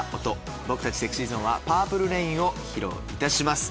僕たちＳｅｘｙＺｏｎｅは『ＰｕｒｐｌｅＲａｉｎ』を披露いたします。